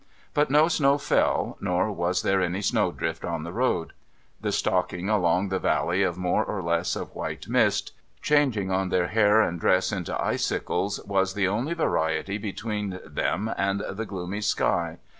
But no snow fell, nor was there any snow drift on the road. The stalking along the valley of more or less of white mist, changing on their hair and dress into icicles, was the only variety between them and the gloomy sky.